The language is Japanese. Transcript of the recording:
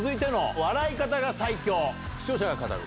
「視聴者が語る！